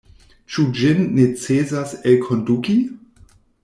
Ĉu ĝin necesas elkonduki?